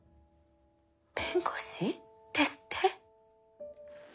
弁護士ですって？